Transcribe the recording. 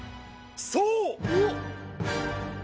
そう！